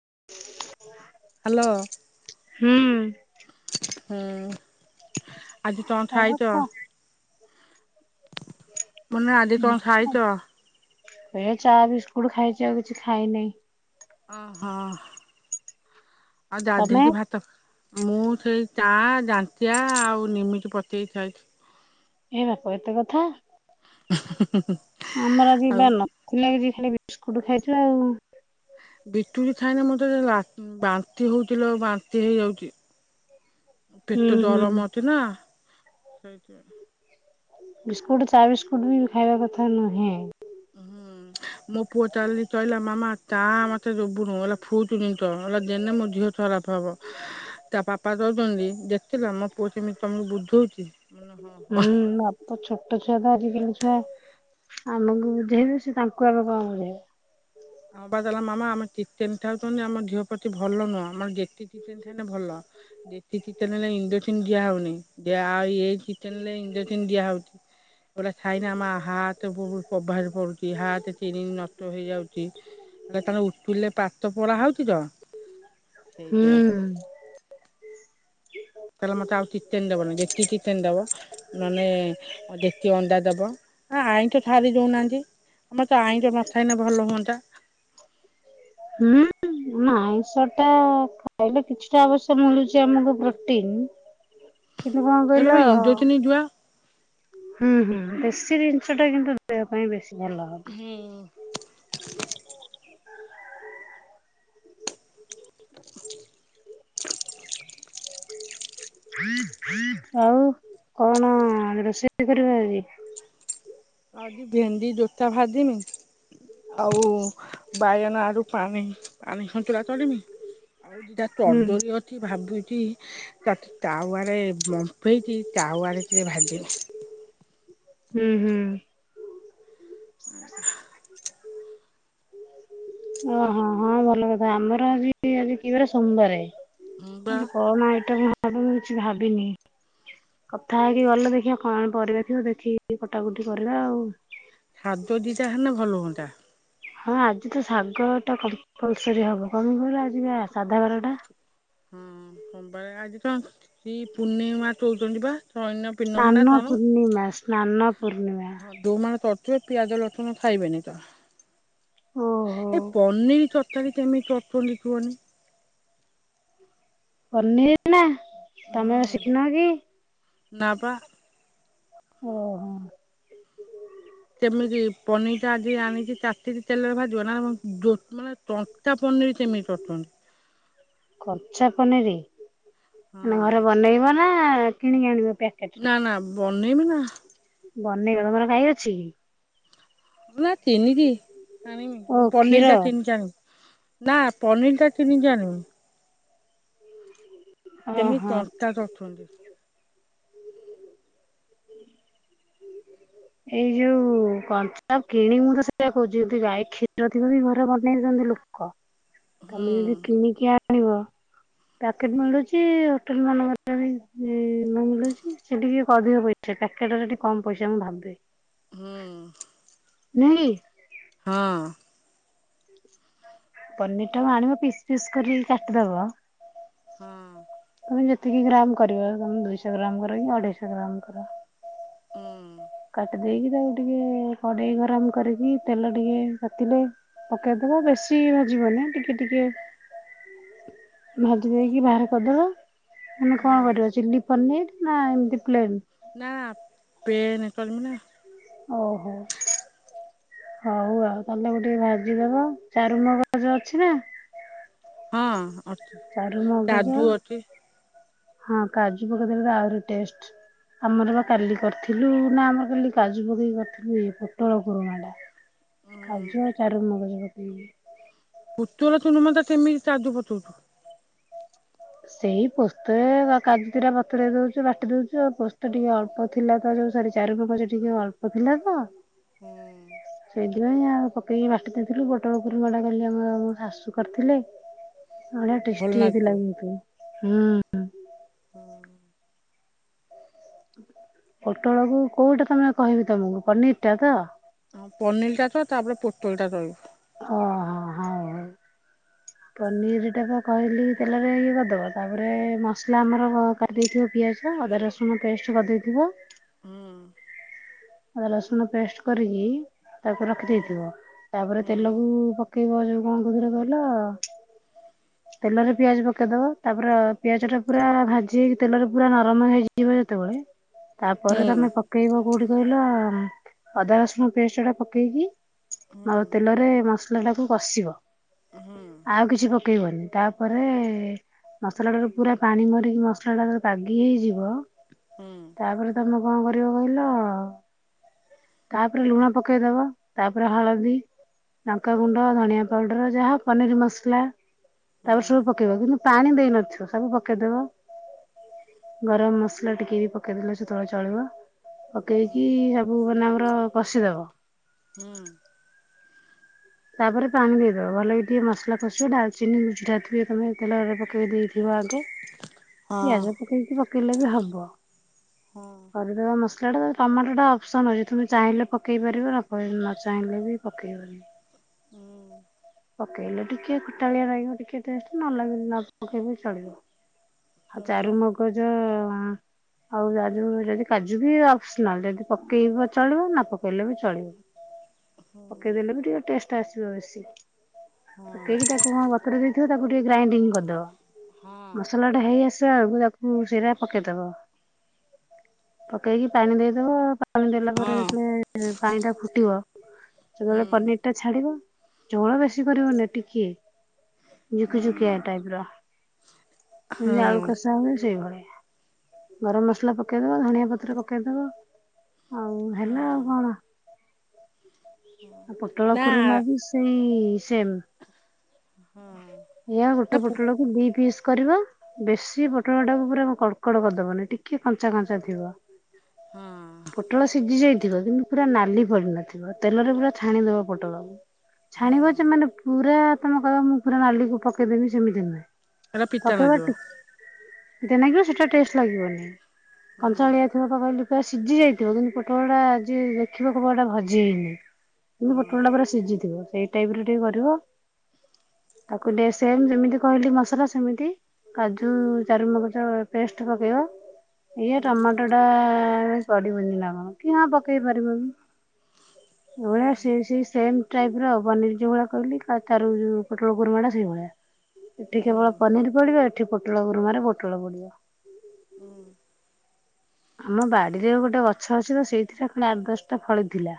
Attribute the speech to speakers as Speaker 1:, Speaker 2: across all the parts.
Speaker 1: [inaudible]
Speaker 2: Hello
Speaker 1: ହୁଁ
Speaker 2: ହୁଁ ଆଜି କଣ ଖାଇଛ! ମାନେ ଆଜି କଣ ଖାଇଛ?
Speaker 1: ଆଜ୍ଞା ଚା ବିସ୍କୁଟ ଖାଇଛି ଆଉ କିଛି ଖାଇନେଇଁ।
Speaker 2: ଅ ହଁ ଆଉ
Speaker 1: ତମେ?
Speaker 2: ଯାଧେଇଛି ଭାତ ମୁଁ ସେଇ ଚା ଗାଣ୍ଠିଆ ଆ ଆଉ ନିମିକି ପଚେଇ ଖାଇଛି।
Speaker 1: ଏ ବାପ ଏତେ କଥା।
Speaker 2: ହ [inaudible]
Speaker 1: ଆମର ଆଜି ପା ନଥିଲା କିଛି ଖାଲି ବିସ୍କୁଟ ଖାଇଛୁ ଆଉ।
Speaker 2: ବିତୁଟ୍ ଖାଇନେ ମତେ ବାନ୍ତି ହଉଥିଲା ବାନ୍ତି ହେଇଯାଉଛି।
Speaker 1: ହୁଁ
Speaker 2: ପେଟ
Speaker 1: ହୁଁ
Speaker 2: ଗରମ ଅଛି ନା ସେଇଥି
Speaker 1: ବିସ୍କୁଟ ଚା ବିସ୍କୁଟ ବି ଖାଇବା କଥା ନୁହେଁ।
Speaker 2: ହୁଁ ମୋ ପୁଅ ଚାଲି ଚହିଲା ମାମା ଚା ମତେ ଦୋବୁନୁ ହେଲା ଫୁଲ୍ ଜିନିଶ ହେରା ଦେନେ ମୋ ଦିହ ଥର୍ ଖରାପ ହବ ତା ବାପା ତୋଉଛନ୍ତି ଦେଖିଲ ମୋ ପୁଅ କେମିତି ତମକୁ ବୁଝଉଛି। କହିଲି ହଁ ହଁ
Speaker 1: ହୁଁ ବାପ ଛୋଟ ଛୁ ଛୁଆ ତ ଆଜିକାଲି ଛୁଆ ଆମକୁ ବୁଝେଇବେ ସେ ତାଙ୍କୁ ଆମେ କଣ ବୁଝେଇବା
Speaker 2: ଆଉ ବାଲା ମାମା ଆମେ ଚିଚେନ ଥାଉଛନ୍ତି ଆମ ଝିଅ ପ୍ରତି ଭଲ ନୁହଁ ଆମର ଯେତିି ଚିେନ ାଇଲେ ଭଲ ଦେଶୀ ଚେନ ହେଲେ ଇଣ୍ଡନ ଦିଆ ହଉନି ଆଉ ଚେନଲେ ଇନ ଦିଆ ହଉଛି ଏଗା ାଇନା ଆମ ହାତ ପ୍ରଭସ ପଡୁଛି ହାତ ଚନି ନଷ୍ଟ ହେଇଯାଉଛି ତାଙ୍କ ଉୁଲିଲେ ପାାତ ପୋଳା ହଉଛି ତ
Speaker 1: ହୁଁ
Speaker 2: ସେଇଥିପାଇଁ। ତାହେଲେ ମତେ ଆଉ ଚତେନ ଦବନ ଯେତିକି ଚେନ ଦବ ମାନେ ଯେତିକି ଅଣ୍ଡା ଦବ ଆ ଆଇଁ ତ ଛାରି ଦଉନାହାନ୍ତି ଆମର ତ ଆଇଁ ତ ମଥା ହେଇନ ଭଲ ହୁଅନ୍ତା [inaudible]
Speaker 1: ହୁଁ ନା ଆଇଁଷ ଟା ଖାଇଲେ କିଛିଟା ଆବଶ୍ୟକ ମିଳୁଛି ଆମକୁ ପ୍ରୋଟିନ
Speaker 2: ହୁଁ
Speaker 1: କିନ୍ତୁ କଣ କହିଲ ହୁଁ ହୁଁ ବେଶୀ ଜିନିଷ ଟା କିନ୍ତୁ ଦେହ ପାଇଁ ବେଶୀ ଭଲ ହବ।
Speaker 2: ହୁଁ ହ
Speaker 1: ଆଉ କଣ ରୋଷେଇ କରିବାଜି
Speaker 2: ଆଜି ଭେଣ୍ଡି ଜୋତା ଭା ଦମି ଆଉ ବାଇଗଣ ଆଡରୁ ପାଣି ପାଣି ହଥିଲା [unintelligible] ସରିନି ଦିଟା
Speaker 1: ହୁଁ।
Speaker 2: ଚର୍ଦରିୀ ଅଛି ଭାଜୁଚି। ତାୱାରେ ବମ୍ଫେଇକି ତାୱାରେ ଟିକେ ଭାଜିମି।
Speaker 1: ହୁଁ ହୁଁ।
Speaker 2: ହ [unintelligible]
Speaker 1: ଓହୋ ହଁ ଭଲ କଥା ଆମର ଆଜି ଆଜି କିିବାର ସୋମବାରେ
Speaker 2: ହଁ ବା
Speaker 1: ଆଜି କଣ ଆଇଟମ ହବ ମୁ କିଛି ଭାବିନି। କଥା ହେଇକି ଗଲେ ଦେଖିବା କଣ ପରିବା ଥିବ ଦେଖିକି କଟାକଟି କରିବା ଆଉ।
Speaker 2: ଖାଦ୍ୟ ଦିଟା ହେଲେ ଭଲ ହୁଅନ୍ତା।
Speaker 1: ହଁ ଆଜି ତ ଶାଗ ଟା କମ୍ପଲସରି ହବ କଣ ପାଇଁ କହିଲ ଆଜି ସାଧା ବାରଟା।
Speaker 2: ହଁ ସୋମବର ଆଜି ପା କି ପୂର୍ନିମା କଉଛନ୍ତି ବା ଚନ ପିନମ ନା
Speaker 1: ସ୍ନାନ
Speaker 2: ତଣ
Speaker 1: ପୂର୍ଣ୍ଣିମା ସ୍ନାନ ପୂର୍ଣ୍ଣିମା
Speaker 2: ହଁ ଦୋ ମ [unintelligible] ପିଆଜ ଲଠୁନ ଖାଇବେନି ତ
Speaker 1: ଓହୋ।
Speaker 2: ଏଇ ପନିର ତା କେମିତି ଅଥ ଲିଖିବନି [unintelligible]
Speaker 1: ପନିର ନା ତମେ ଶିଖିନ କି?
Speaker 2: ନାଁ ବା
Speaker 1: ଓ ହୋ।
Speaker 2: ଏମିତି ପନିର ଟା ଆଜି ଆଣିି ଚାତି ତେଲରେ ଭାଜିବ ନା ମାନେ ଟଙ୍କା ପନିର ସେମିତି [unintelligible] କ [unintelligible]
Speaker 1: କଚା ପନିର
Speaker 2: ହଁ
Speaker 1: ମାନେ ଘରେ ବନେଇବ ନା କିଣିକି ଆଣିବ? ପ୍ୟାକେଟ?
Speaker 2: ନା ନା ବନେଇବି ନା।
Speaker 1: ବନେଇବ ତମର ଗାଇ ଅଛି?
Speaker 2: ନା ତିିନିିବି
Speaker 1: ଓ
Speaker 2: ନା
Speaker 1: କ୍ଷୀର
Speaker 2: ପନିର ଟା କିଣି କି ଆଣିବି। କେମିତି
Speaker 1: ଓହୋ।
Speaker 2: ଚଷ୍ଟା କରୁଛନ୍ତି [unintelligible]
Speaker 1: ଏଇ ଯୋଉ କଞ୍ଚା ଲୋକ
Speaker 2: ହୁଁ
Speaker 1: ତମେ ଯଦି କିଣିକି ଆଣିବ ପ୍ୟାକେଟ ମିଳୁଛି ଯେ ସେ ପକେଟରେ ଯଦି କମ୍ ପଇସା ମୁଁ ଭାବି
Speaker 2: ହଁ।
Speaker 1: ନ [unintelligible]
Speaker 2: ହଁ।
Speaker 1: ପନିର ଟା ଆଣିବ ପିସ୍ ପିସ୍ କରିକି
Speaker 2: ହଁ
Speaker 1: ତମେ ଯେତିକି ଗ୍ରାମ କରିବ ତମେ ଦୁଇଶହ ଗ୍ରାମ କର କି ଅଢେଇଶହ ଗ୍ରାମ କର।
Speaker 2: ହଁ ଅଁ
Speaker 1: କାଟି ଦେଇକି ତାକୁ ଟିକେ କଡେଇ ଗରମ କରିକି ତେଲ ଟିକେ ତାତିଲେ ପକେଇଦବା ବେଶୀ ଭାଜିବନି, ଟିକେ ଟିକେ ଭାଜି ଦେଇକି ବାହାର କରିଦେବା। ଆମେ କଣ
Speaker 2: ହୁଁ
Speaker 1: କରିବା ଚିଲି ପନିର ନା ଏମିତି ପ୍ଲେନ
Speaker 2: ପ୍ଲେନେ କରିମି ନା
Speaker 1: ଓହୋ ହଉ ଆଉ ପନିର କୁ ଟିକେ ଭାଜିଦବ ଚାରୁମଗଜ ଅଛି ନା?
Speaker 2: ହଁ ଅ ଅଛି,
Speaker 1: ଚାରୁ ମଗଜ
Speaker 2: କାଜୁ ଅଛି।
Speaker 1: ହଁ କାଜୁ ପକେଇ ଦେଲେ ଆହୁରି ଟେଷ୍ଟ। ଆମର ବା କାଲି କରିଥିଲୁ ନା ଆମର କାଲି କାଜୁ ପକେଇ କରିଥିଲୁ ପୋଟଳ କରୁମା ଟା। କାଜୁ ଆଉ ଚାରୁ ମଗଜ ପକେଇକି।
Speaker 2: ପୋଟଳ କୁରୁମା ଟା କେମିତି ତାଦୁ ପତଉଛୁ?
Speaker 1: ସେଇ ପୋସ୍ତରେ କାଜୁ ଦିଟା ବତୁରେଇ ଦଉଚୁ, ବାଟି ଦଉଚୁ ଆଉ ପୋସ୍ତ ଟିକେ ଅଳ୍ପ ଥିଲା ତ ଚାରୁ ମାଗଜ ଟିକେ ଅଳ୍ପ ଥିଲା ତ
Speaker 2: ହୁଁ
Speaker 1: ସେଇଥିପାଇଁ ଆଉ ପକେଇକି ବାଟି ଦେଇଥିଲି, ପୋଟଳ କୁରୁମା ଟା କାଲି ଆମର ଶାଶୁ କରିଥିଲେ ବଢ଼ିଆ
Speaker 2: ଭଲ
Speaker 1: ଟେଷ୍ଟି
Speaker 2: ଲାଗୁଥିବ।
Speaker 1: ହେଇଥିଲା କିନ୍ତୁ ହୁଁ।
Speaker 2: ହଁ ଅଁ
Speaker 1: ପୋଟଳକୁ କୋଉଟା ତମକୁ, କହିବି ତମକୁ, ପନିର ଟା ତ?
Speaker 2: ଆଁ ପନିର ଟା ତ ତାପରେ ପୋଟଳ ଟା କହିବ।
Speaker 1: ଓ ହୋ ହଁ ହଁ।
Speaker 2: [unintelligible]
Speaker 1: ପନିର ଟା ପା କହିଲି ତେଲରେ ଇଏ କରିଦବ, ତାପରେ ମସଲା ଆମର କରିଦେଇଥିବ ପିଆ ସେଇ ଅଦା ରସୁଣ ପେଷ୍ଟ କରିଦେଇଥିବ।
Speaker 2: ହୁଁ।
Speaker 1: ଆଉ ରସୁନ ପେଷ୍ଟ କରିଗି ତାକୁ
Speaker 2: ହଁ।
Speaker 1: ରଖିଦେଇଥିବ, ତାପରେ
Speaker 2: ହଁ।
Speaker 1: ତେଲକୁ ପକେଇବ ଯୋଉ କଣ କହୁଥିଲି କହିଲ?
Speaker 2: [unintelligible]
Speaker 1: ତେଲରେ ପିଆଜ ପକେଇଦବ, ତାପରେ ପିଆଜ ଟା ପୁରା ଭାଜି ହେଇକି ତେଲରେ ପୁରା ନରମ ହେଇଯିବ ଯେତେବେଳେ ତାପରେ ତମେ ପକେଇବ କୋଉଠି କହିଲ ଅଦା ରସୁଣ ପେଷ୍ଟ ଟା ପକେଇକି ଆଉ ତେଲରେ ମସଲା ଟାକୁ କଷିବ, ଆଉ କିଛି ପକେଇବନି ତାପରେ ମସଲାଟା ରୁ ପୁରା ପାଣି ମରିକି ମସଲା ଟା ପାଗି ହେଇଯିବ ତାପରେ ତମେ କଣ କରିବ କହିଲ? ତାପରେ ଲୁଣ ପକେଇଦବ, ତାପରେ ହଳଦୀ ଲଙ୍କାଗୁଣ୍ଡ, ଧଣିଆ ପାଉଡ଼ର, ଯାହା ପନିର ମସଲା ତାପରେ ସବୁ ପକେଇବ କିନ୍ତୁ ପାଣି ଦେଇନଥିବ ସବୁ ପକେଇଦବ। ଗରମ ମସଲା ଟିକେ ବି ପକେଇଦେଲେ ସେତେବେଳେ ଚଳିବ, ପକେଇକି ସବୁ କହିଲି ନାଁ ଆମର କସିିଦବ।
Speaker 2: ହଁ ଅଁ
Speaker 1: ତାପରେ ପାଣି ଦେଇଦବ, ଭଲକି ଟିକେ ମସଲା କସି ଡାଲଚିନି ଗୁଜୁରାତି ତମେ ତେଲରେ ପକେଇ ଦେଇଥିବ ଆଗେ ପିଆଜ ପକେଇକି ପକେଇଲେ ବି ହବ।
Speaker 2: ହଁ ଅଁ
Speaker 1: କରିଦେବା ମସଲା ଟା, ଟମାଟୋ ଟା ଅପସନ ଅଉଛି ତୁମେ ଚାହିଁଲେ ପକେଇ ପାରିବ ନ ପକେ ନ ଚାହିଁଲେ ବି ପକେଇବ [unintelligible]
Speaker 2: ହଁ ଅଁ
Speaker 1: ପକେଇଲେ ଟିକେ ଖଟାଳିଆ ଲାଗିବ ଟିକେ ଟେଷ୍ଟ ନହେଲେ ନାଇଁ ନ ପକେଇଲେ ଚଳିବ। ଆଉ ଚାରୁ ମଗଜ ଆଉ [inaudible] ଯଦି କାଜୁ ବି ଅପସନାଲ ଯଦି ପକେଇବ ଚଳିବ ନ ପକେଇଲେ ବି ଚଳିବ। ପକେଇଦେଲେ ବି ଟିକେ ଟେଷ୍ଟ ଆସିବ ବେଶୀ। ପକେଇକି ତାକୁ କ'ଣ ବତୁରେଇ ଦେଇଥିବ ତାକୁ ଟିକେ ଗ୍ରାଇଣ୍ଡିଙ୍ଗ କରିଦବ। ମସଲା ଟା ହେଇ ଆସିଲା ବେଳକୁ ତାକୁ ସେଇରା ପକେଇଦବ। ପକେଇକି ପାଣି ଦେଇଦବ। ପାଣି ଦେଲା ପରେ ଯେତେବେଳେ ପାଣି ଟା ଫୁଟିବ ସେତେବେଳେ ପନିର କାଢିବ ଝୋଳ ବେଶୀ କରିବନି ଟିକିଏ। ଜୁକିଜୁକିଆ ଟାଇପ ର ଯେମିତି ଆଳୁ କଷା ହୁଏ ସେଇଭଳିଆ। ଗରମ ମସଲା ପକେଇଦବ ଧଣିଆ ପତ୍ର ପକେଇଦବ। ଆଉ ହେଲା ଆଉ କ'ଣ? ଆ ପୋ ଟଳ
Speaker 2: ନା
Speaker 1: କୁରୁମା ବି ସେଇ ସେମ୍। ଏଇଆ
Speaker 2: ନା
Speaker 1: ଗୋଟେ
Speaker 2: ପୁ
Speaker 1: ପୋଟଳକୁ ଦି ପିସ୍ କରିବ ବେଶୀ ପୋଟଳ ଟାକୁ ପୁରା କଡ଼କଡ଼ କରିଦବନି ଟିକେ କଞ୍ଚା କଞ୍ଚା ଥିବ। ପୋଟଳ ସିଝି ଯାଇଥିବ କିନ୍ତୁ ପୁରା ନାଲି ପଡ଼ିନଥିବ ତେଲରେ ପୁରା ଛାଣିଦବ। ପୋଟଳ ଛାଣିବ ଯେ ମାନେ ପୁରା ତମେ କହିବ ମୁଁ ପୁରା ନାଲିକୁ ପକେଇଦେବି ସେମିତି ନୁହେଁ।
Speaker 2: ହେଟା ପିତା ନାଗିବ।
Speaker 1: ପିତା ନାଗିବ ସେଟା ଟେଷ୍ଟ ଲାଗିବନି। କଞ୍ଚାଳିଆ ଥିବ ତ କହିଲି ପୁରା ସିଝି ଯାଇଥିବ କିନ୍ତୁ ପୋଟଳଟା ଯିଏ ଦେଖିବ କହିବ ଏଟା ଭାଜି ହେଇନି। କିନ୍ତୁ ପୋଟଳ ଟା ପୁରା ସିଝିଥିବ ସେଇ ଟାଇପର ଟିକେ କରିବ। ତାକୁ ଡେ ସେମ୍ ଯେମିତି କହିଲି ମସଲା ସେମିତି କାଜୁ ଚାରୁମଗଜ ପେଷ୍ଟ ପକେଇବ। ଏଇଅ ଟମାଟୋ ଟା ପଡିବନି ନା କ'ଣ? କି ହଁ, ପକେଇ ପାରିବ। [inaudible] ସେଇ ସେମ ଟାଇପ ର ହବନି, ଯୋଉ ଭଳିଆ କହିଲି ତାଠାରୁ ଯୋଉ ପୋଟଳ କୁର୍ମା ଟା ସେଇଭଳିଆ। ଏଠି କେବଳ ପନିର ପଡିବ। ଏଠି ପୋଟଳ କୁର୍ମା ରେ ପୋଟଳ ପଡିବ।
Speaker 2: ହୁଁ।
Speaker 1: ଆମ ବାଡିରେ ଗୋଟେ ଗଛ ଅଛି ତ ସେଇଥିରେ ଖଣ୍ଡେ ଆଠ ଦଶଟା ଫଳି ଥିଲା।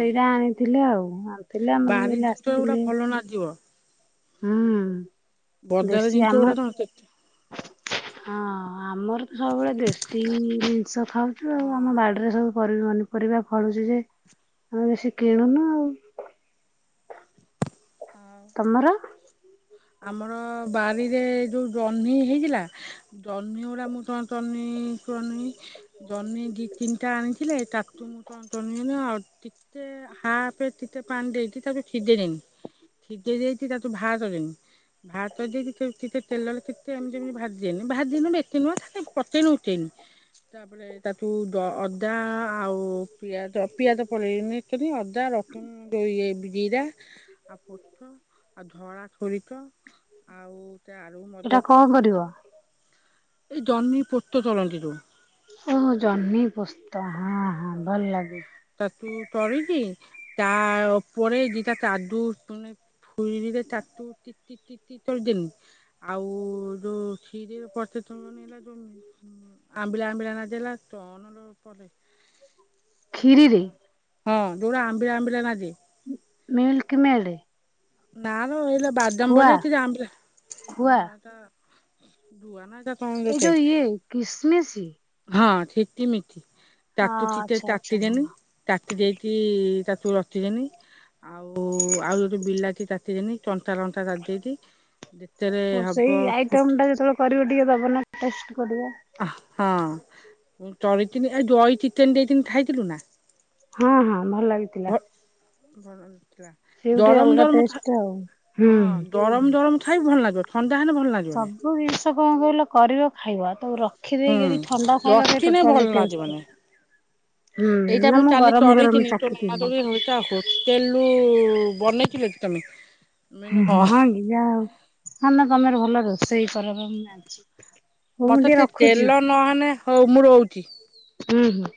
Speaker 1: ସେଇଟା ଆଣିଥିଲେ ଆଉ ଆଣିଥିଲେ ଆମର
Speaker 2: ବାରି
Speaker 1: ବି [inaudible]
Speaker 2: ଜିନିଷ ଗୁଡା
Speaker 1: ଆସିନି।
Speaker 2: ଭଲ ନାଗିବ
Speaker 1: ହୁଁ,
Speaker 2: ବଜାର
Speaker 1: ଦେଶୀ
Speaker 2: ଜିନିଷ
Speaker 1: ଆମ
Speaker 2: ଗୁଡା କଣ କେତେ
Speaker 1: ହଁ, ଆମର ତ ସବୁବେଳେ ଦେଶୀ ଜିନିଷ ଖାଉଛୁ
Speaker 2: ହଁ
Speaker 1: ଆଉ ଆମ ବାଡିରେ ସବୁ ପରି ପନିପରିବା ଫଳୁଛି ଯେ ଆମେ ବେଶୀ କିଣୁନୁ ଆଉ।
Speaker 2: ଆଉ
Speaker 1: ତମର?
Speaker 2: ଆମର ବାରିରେ ଯଉ ଜହ୍ନି ହେଇଥିଲା ଜହ୍ନିଗୁଡ଼ା ମୁଁ [inaudible] ତୋଳୁନି, ଜହ୍ନି ଦି ତିନିଟା ଆଣିଥିଲେ ତାକୁ ମୁଁ କ'ଣ କଲି ନା ଆଉ ଟିକେ ହାପ ରେ ଟିକେ ପାଣି ଦେଇକି ତାକୁ ସିଝେଇଦେଲି, ସିଝେଇଦେଇକି ତାକୁୁ ବାହାର କରିଦେନି। ବାହାର କରି ଦେଇକି ଥୋଇ ଟିକେ ତେଲରେ ଟିକେ ଏମିତି ଏମିତି ଭାଜି ଦିଏନି ଭାଜି ନେ ବି ଏତେ ନୁହଁ ଏ ପକେଇନି ଉଠେଇନି। ତାପରେ ତାଠୁ ଦ ଅଦା ଆଉ ପିଆଜ ପିଆଜ ପଲେଇନି ଖାଲି ଅଦା ଯୋଉ ଇଏ ଜିରା ଆଉ ପୋସ୍ତ ଆଉ ଧଳା ସୋରିଷ ଆଉ
Speaker 1: ଏଇଟା
Speaker 2: ଚାରୁମଗଚ
Speaker 1: କଣ କରିବ?
Speaker 2: ଏଇ ଜହ୍ନି ପୋସ୍ତ କରନ୍ତି ଯଉ।
Speaker 1: ଓହୋଃ! ଜହ୍ନି ପୋସ୍
Speaker 2: ତାକୁ କରିକି ତା ଉପରେ ଦିଟା କାଜୁ କୁ ଛୁରିରେ ତାକୁ ଟିକି ଟିକି କରିଦେଲି ଆଉ ଯୋଉ କ୍ଷୀରିରେ ପୋସ୍ତ ବନେଇଲା ଯୋଉ ଆମ୍ବିଳା ଆମ୍ବିଳା ନାଗିଲା କ'ଣ ଯୋଉ ପଡେ?
Speaker 1: କ୍ଷୀରିରେ?
Speaker 2: ହଁ, ଯୋଉରା ଆମ୍ବିିଲା ଆମ୍ବିଲା ନାଗେ।
Speaker 1: Milk made?
Speaker 2: ନା ଲୋ ଏଲୋ ବାଦାମଭଳିଆ ସେରା ଆମ୍ବିଳା ଉଁ
Speaker 1: ଖୁଆ
Speaker 2: ସେଟା ଦୁଆ ନା ଯ
Speaker 1: ଏଇ ଯଉ ଇଏ କିସିମିସି
Speaker 2: ହଁ, କିସିମିଶି
Speaker 1: ହଁ
Speaker 2: ତାକୁ ଟିକେ
Speaker 1: ଆଚ୍ଛା ଆଚ୍ଛା
Speaker 2: କାଟି ଦେନି
Speaker 1: ହଁ।
Speaker 2: କାତି ଦେଇକି ତାକୁୁ ରଖିଦେନି। ଆଉ ଆଉ ଯୋଉ ବିଲାଟି କାତିଦେନି କଞ୍ଚା ଲଙ୍କା କାତି ଦେଲି
Speaker 1: ସେଇ ଆଇଟମ ଟା ଯେତେବେଳେ କରିବ ଟିକେ ଦବ ନା ଟେଷ୍ଟ କରିବା।
Speaker 2: ହଁ, ତରିଥିନି ଏ ଦହି ଚିକେନ ଦେଇଥିନି ଖାଇଥିଲୁ ନା?
Speaker 1: ହଁ, ହଁ ଭଲ
Speaker 2: ଭ
Speaker 1: ଲାଗିଥିଲା। ସେ ଗୋଟେ
Speaker 2: ଗରମ
Speaker 1: ଅଲଗା
Speaker 2: ଗରମ ଖାଇ
Speaker 1: ଟେଷ୍ଟ ଆଉ ହୁଁ।
Speaker 2: ଗରମ ଗରମ ଖାଇବୁ ଭଲ ଲାଗିବ ଥ
Speaker 1: ସବୁ ଜିନିଷ କଣ କହିଲ କରିବ ଖଇବ ତାକୁ ର
Speaker 2: ହୁଁ, ରଖିନେ ଭଲ
Speaker 1: ଟେଷ୍ଟ
Speaker 2: ଲାଗିବନି।
Speaker 1: ହୁଁ
Speaker 2: ଏଇଟା
Speaker 1: ନା
Speaker 2: ମୁଁ କାଲି
Speaker 1: ଗରମ ଗରମ
Speaker 2: କରିଥିନି ତୋ ନାନ
Speaker 1: ଚାଖିଥିଲି
Speaker 2: କହିଲେ ହୋଟେଲ ବନେଇକ [unintelligible] ଥିଲ କି ତମେ? ମୁଁ କହିନି
Speaker 1: ହଁ କି ଯା ହଉ, ସାନ ତମର ଭଲ ରୋଷେଇ ର ମୁଁ [unintelligible] ହଉ ମୁଁ
Speaker 2: ମତେ
Speaker 1: ଟିକେ ରଖୁଛି।
Speaker 2: ତେଲ ନହେଲେ ହଉ ମୁଁ ରହୁଛି।
Speaker 1: ହୁଁ ହୁଁ।